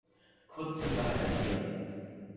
Kurzzüge halten hier.